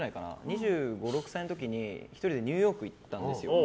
２５２６歳の時に１人でニューヨーク行ったんですよ。